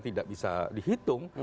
tidak bisa dihitung